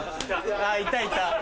あいたいた。